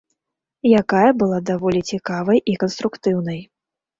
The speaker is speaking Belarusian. Якая была даволі цікавай і канструктыўнай.